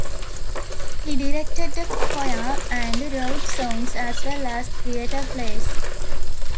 He directed a choir and wrote songs as well as theater plays.